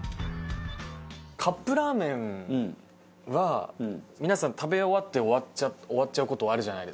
カップラーメンは皆さん食べ終わって終わっちゃう事あるじゃないですか。